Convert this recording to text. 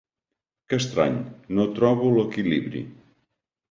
Que estrany, no trobo l'equilibri!